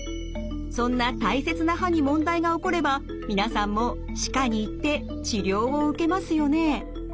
そんな大切な歯に問題が起これば皆さんも歯科に行って治療を受けますよね。